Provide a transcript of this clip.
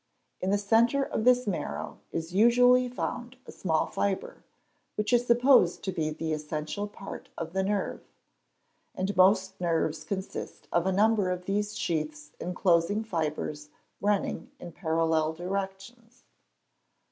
In the centre of this marrow is usually found a small fibre, which is supposed to be the essential part of the nerve; and most nerves consist of a number of these sheaths enclosing fibres running in parallel directions.